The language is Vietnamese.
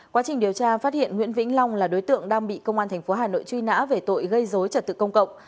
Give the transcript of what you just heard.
quá trình điều tra phát hiện nguyễn vĩnh long là đối tượng đang bị công an tp hà nội truy nã về tội gây dối trật tự công cộng